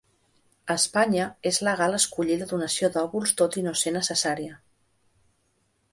A Espanya, és legal escollir la donació d’òvuls tot i no ser necessària.